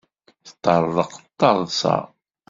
Teṭṭerḍeq d taḍsa.